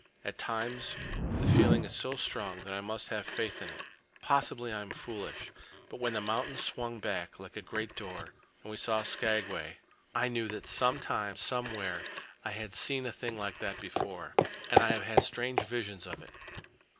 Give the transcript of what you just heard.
At times the feeling is so strong that I must have faith in it. Possibly I am foolish. But when the mountain swung back, like a great door, and we saw Skagway, I knew that sometime—somewhere—I had seen a thing like that before. And I have had strange visions of it.